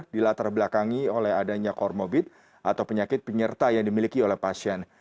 dilatar belakangi oleh adanya kormobit atau penyakit penyerta yang dimiliki oleh pasien